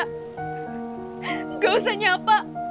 tidak usah nyapa